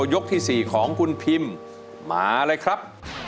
ยกที่๔ของคุณพิมมาเลยครับ